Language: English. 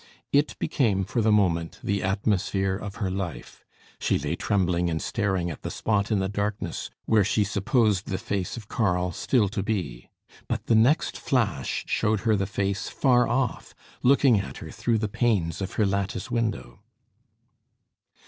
It became for the moment the atmosphere of her life. She lay trembling and staring at the spot in the darkness where she supposed the face of Karl still to be. But the next flash showed her the face far off, looking at her through the panes of her lattice window.